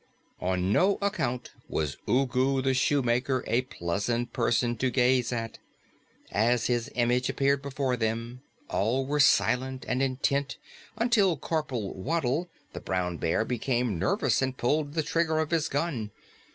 On no account was Ugu the Shoemaker a pleasant person to gaze at. As his image appeared before them, all were silent and intent until Corporal Waddle, the Brown Bear, became nervous and pulled the trigger of his gun.